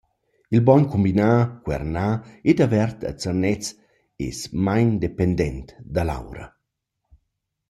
Il bogn cumbinà cuernà ed avert a Zernez es main dependent da l’ora.